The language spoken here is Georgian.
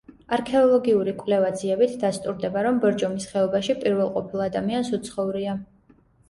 არქეოლოგიური კვლევა-ძიებით დასტურდება, რომ ბორჯომის ხეობაში პირველყოფილ ადამიანს უცხოვრია.